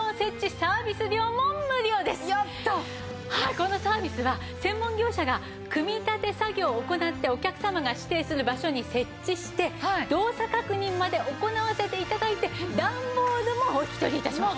このサービスは専門業者が組み立て作業を行ってお客様が指定する場所に設置して動作確認まで行わせて頂いて段ボールもお引き取り致します。